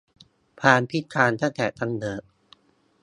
ความพิการตั้งแต่กำเนิด